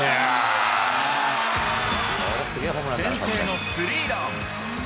先制のスリーラン。